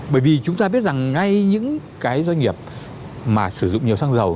bởi vì chúng ta biết rằng ngay những cái doanh nghiệp mà sử dụng nhiều xăng dầu